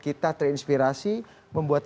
kita terinspirasi membuat